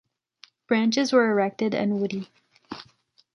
Branches were erected and woody.